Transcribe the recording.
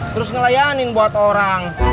terus ngelayanin buat orang